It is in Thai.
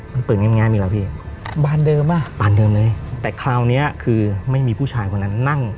มันเปิดง่ายอยู่แล้วพี่บ้านเดิมอ่ะป่านเดิมเลยแต่คราวเนี้ยคือไม่มีผู้ชายคนนั้นนั่ง